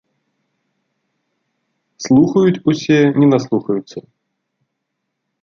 Слухаюць усе, не наслухаюцца.